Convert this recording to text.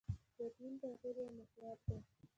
د دین تعبیر یو محور دی.